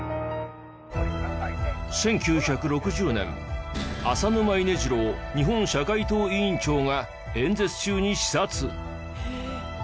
１９６０年浅沼稲次郎日本社会党委員長が演説中に刺殺。